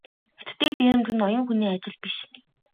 Хятадыг дээрэмдэх нь ноён хүний ажил биш.